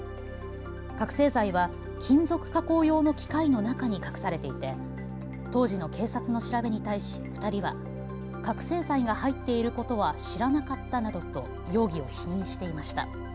覚醒剤は金属加工用の機械の中に隠されていて当時の警察の調べに対し２人は覚醒剤が入っていることは知らなかったなどと容疑を否認していました。